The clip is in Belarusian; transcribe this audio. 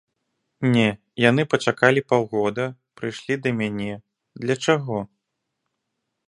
Не, яны пачакалі паўгода, прыйшлі да мяне, для чаго?